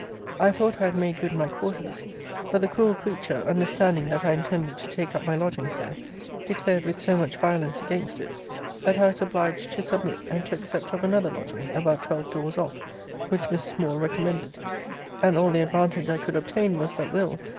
I thought I had made good my quarters, but the cruel creature, understanding that I intended to take up my lodgings there, declared with so much violence against it, that I was obliged to submit, and to accept of another lodging, about twelve doors off, which Mrs. Moore recommended. And all the advantage I could obtain was, that Will.